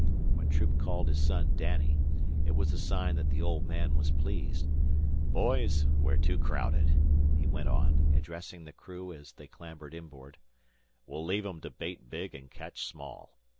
When Troop called his son Danny, it was a sign that the old man was pleased. "Boys, we're too crowded," he went on, addressing the crew as they clambered inboard. "We'll leave 'em to bait big an' catch small."